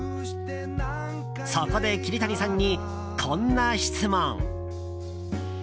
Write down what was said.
そこで桐谷さんに、こんな質問。